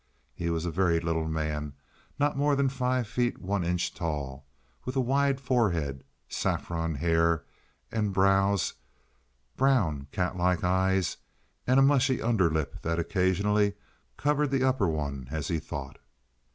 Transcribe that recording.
He was a very little man—not more than five feet one inch tall—with a wide forehead, saffron hair and brows, brown, cat like eyes and a mushy underlip that occasionally covered the upper one as he thought.